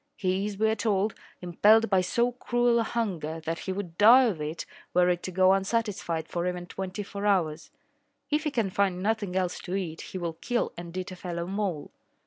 He is, we are told, impelled by so cruel a hunger that he would die of it were it to go unsatisfied for even twenty four hours. If he can find nothing else to eat, he will kill and eat a fellow mole.